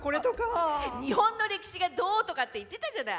日本の歴史がどうとかって言ってたじゃない。